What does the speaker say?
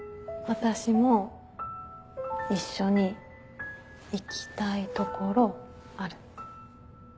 私も一緒に行きたい所ある。